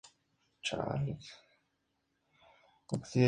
Es soluble en metanol y cloroformo.